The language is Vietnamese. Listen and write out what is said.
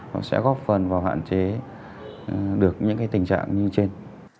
nó sẽ góp phần vào hạn chế được những tình trạng như trên